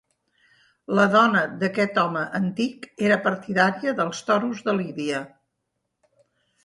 La dona d'aquest home antic era partidària dels toros de lídia.